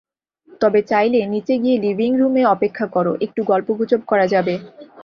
তবে চাইলে নিচে গিয়ে লিভিং রুমে অপেক্ষা করো, একটু গল্পগুজব করা যাবে।